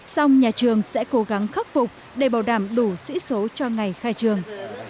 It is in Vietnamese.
xong nhà trường sẽ cố gắng khắc phục để bảo đảm đủ sĩ số cho ngày khai trường